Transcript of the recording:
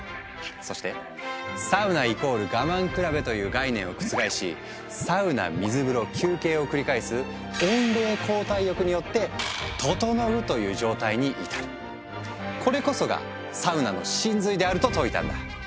そして「サウナ＝我慢比べ」という概念を覆し「サウナ水風呂休憩」を繰り返す「温冷交代浴」によって「ととのう」という状態に至るこれこそがサウナの神髄であると説いたんだ。